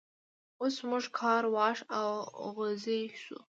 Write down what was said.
اوس موږ کار واښ او غوزی شو.